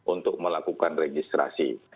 untuk melakukan registrasi